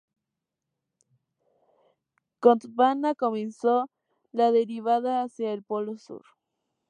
Gondwana comenzó la deriva hacia el Polo Sur.